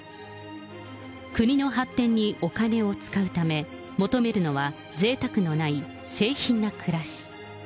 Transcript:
国の発展にお金を使うため、求めるのはぜいたくのない清貧な暮らし。